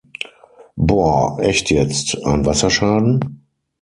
Boah, echt jetzt, ein Wasserschaden?